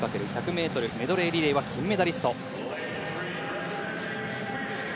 ４×１００ｍメドレーリレーは金メダリスト。